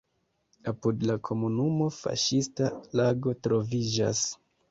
Apud la komunumo fiŝista lago troviĝas.